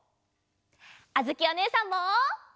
あづきおねえさんも！